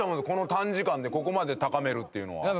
この短時間でここまで高めるっていうのは。